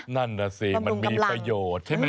นั่นแหละสิมันมีประโยชน์ใช่ไหมแล้ว